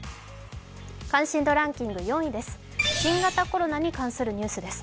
関心度ランキング４位です新型コロナに関するニュースです。